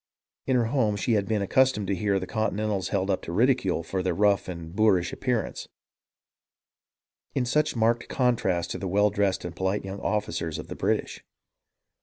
In her home she had been accustomed to hear the Continentals held up to ridicule for their rough and boorish appearance, in such marked contrast to the well dressed and polite young officers of the British.